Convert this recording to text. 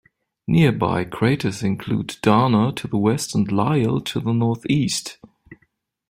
Nearby craters include Dana to the west and Lyell to the northeast.